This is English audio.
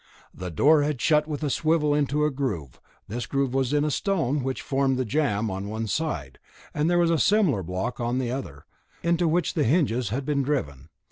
The door had been shut with a swivel into a groove; this groove was in a stone, which formed the jamb on one side, and there was a similar block on the other, into which the hinges had been driven.